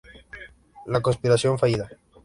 La conspiración fallida".